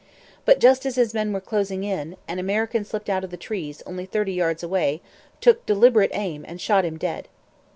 But, just as his men were closing in, an American stepped out of the trees, only thirty yards away, took deliberate aim, and shot him dead.